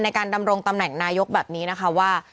ดำรงตำแหน่งนายกแบบนี้นะคะว่า